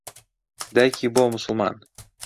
دایکی بووە موسڵمان.